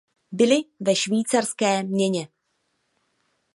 Byly ve švýcarské měně.